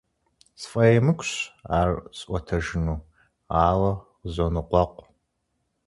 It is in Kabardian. СфӀэемыкӀущ ар сӀуэтэжыну, ауэ къызоныкъуэкъу.